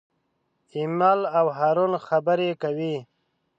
ایمل او هارون خبرې کوي.